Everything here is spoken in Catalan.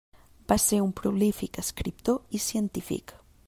Va ser un prolífic escriptor i científic.